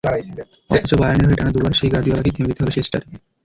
অথচ বায়ার্নের হয়ে টানা দুবার সেই গার্দিওলাকেই থেমে যেতে হলো শেষ চারে।